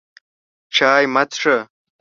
چای مه څښه!